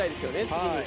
次に。